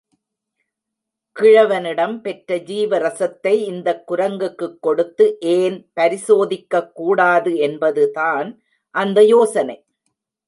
கிழவனிடம் பெற்ற ஜீவரசத்தை இந்தக் குரங்குக்குக் கொடுத்து ஏன் பரிசோதிக்கக் கூடாது என்பதுதான் அந்த யோசனை.